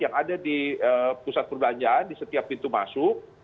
yang ada di pusat perbelanjaan di setiap pintu masuk